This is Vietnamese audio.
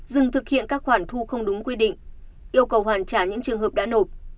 dừng thực hiện các khoản thu không đúng quy định yêu cầu hoàn trả những trường hợp đã nộp